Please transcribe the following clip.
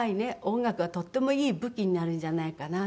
音楽はとってもいい武器になるんじゃないかな。